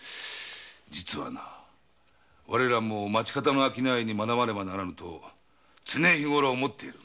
我らも町方の商いに学ばねばならぬと思っていた。